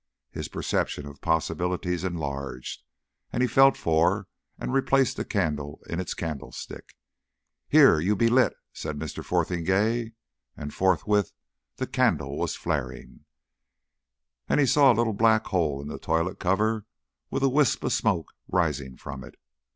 His perception of possibilities enlarged, and he felt for and replaced the candle in its candlestick. "Here! you be lit," said Mr. Fotheringay, and forthwith the candle was flaring, and he saw a little black hole in the toilet cover, with a wisp of smoke rising from it.